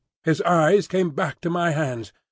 His eyes came back to my hands.